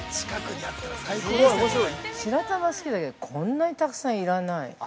◆白玉好きだけどこんなにたくさん要らない。